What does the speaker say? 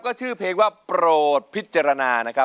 ก็ชื่อเพลงว่าปรวดพิจรณา